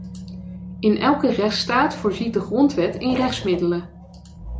In elke rechtsstaat voorziet de grondwet in rechtsmiddelen.